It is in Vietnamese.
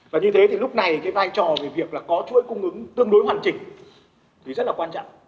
và như thế thì lúc này cái vai trò về việc là có chuỗi cung ứng tương đối hoàn chỉnh thì rất là quan trọng